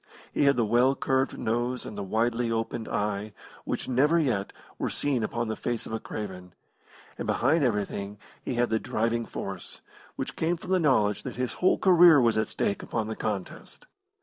He had the well curved nose and the widely opened eye which never yet were seen upon the face of a craven, and behind everything he had the driving force, which came from the knowledge that his whole career was at stake upon the contest.